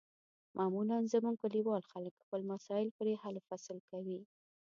معمولا زموږ کلیوال خلک خپل مسایل پرې حل و فصل کوي.